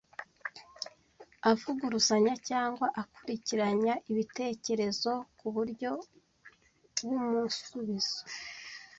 avuguruzanya cyangwa akurikiranya ibitekerezo ku buryo w’umusubizo